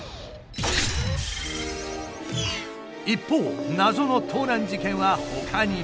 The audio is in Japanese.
一方謎の盗難事件はほかにも。